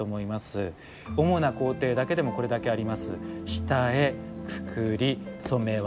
主な工程だけでもこれだけあります。